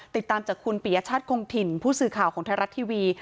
ติดตามจากคุณปียชาติคงถิ่นผู้สื่อข่าวของไทยรัฐทีวี